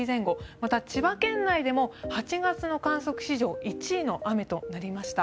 また、千葉県内でも８月の観測史上１位の雨となりました。